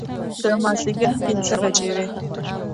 د مازدیګر پنځه بجې وې.